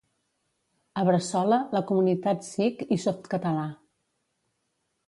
A Bressola, la comunitat Sikh i Softcatalà.